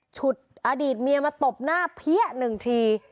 ฉุดอดีตเมียมาตบหน้าเพี้ยหนึ่งที